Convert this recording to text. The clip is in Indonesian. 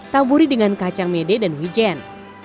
taburi dengan kacang mede dan wijen